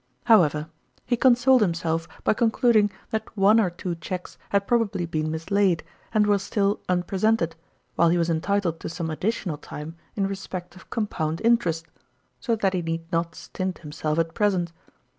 However, he consoled himself by concluding that one or two cheques had probably been mislaid, and were still unpresented, while he was entitled to some additional time in respect of compound interest; so that he need not stint himself at present.